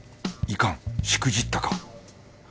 いかんしくじったか？